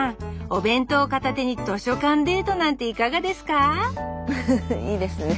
お弁当を片手に図書館デートなんていかがですかいいですね。